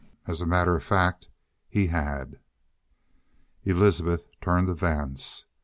As a matter of fact, he had. Elizabeth turned to Vance.